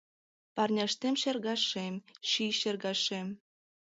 Парняштем шергашем, ший шергашем